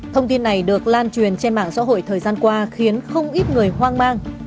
thông tin này được lan truyền trên mạng xã hội thời gian qua khiến không ít người hoang mang